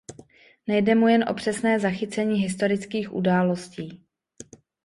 Nejde mu jen o přesné zachycení historických událostí.